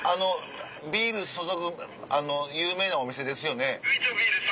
ビール注ぐ有名なお店ですよね？